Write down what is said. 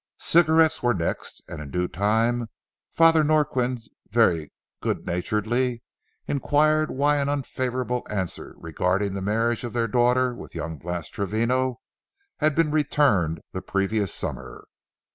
Cigarettes were next, and in due time Father Norquin very good naturedly inquired why an unfavorable answer, regarding the marriage of their daughter with young Blas Travino, had been returned the previous summer.